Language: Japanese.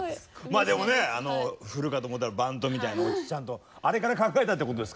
でもね振るかと思ったらバントみたいなオチちゃんとあれから考えたってことですか？